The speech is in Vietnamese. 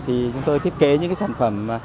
thì chúng tôi thiết kế những cái sản phẩm